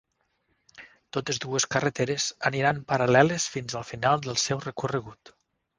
Totes dues carreteres aniran paral·leles fins al final del seu recorregut.